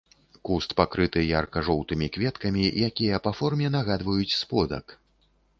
Куст пакрыты ярка-жоўтымі кветкамі, якія па форме нагадваюць сподак.